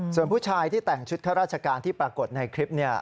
ส่วนผู้ชายที่แต่งชุดข้าราชการที่ปรากฏในคลิปนี้